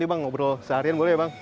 mau berolah seharian boleh ya bang